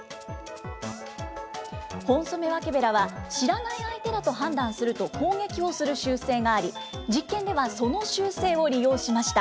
ホンソメワケベラは、知らない相手だと判断すると、攻撃をする習性があり、実験ではその習性を利用しました。